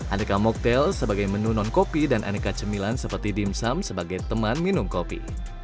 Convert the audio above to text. aneka moktel sebagai menu non kopi dan aneka cemilan seperti dimsum sebagai teman minum kopi